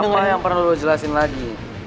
apa yang pernah lo jelasin lagi